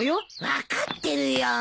分かってるよ。